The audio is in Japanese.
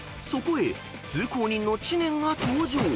そこへ通行人の知念が登場］